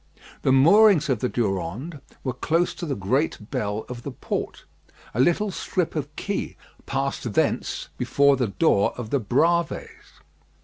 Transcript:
The moorings of the Durande were close to the great bell of the port. A little strip of quay passed thence before the door of the Bravées.